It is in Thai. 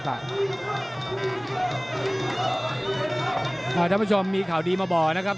ท่านผู้ชมมีข่าวดีมาบอกนะครับ